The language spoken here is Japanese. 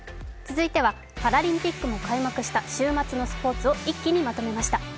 続いてはパラリンピックも開幕した週末のスポーツを一気にまとめました。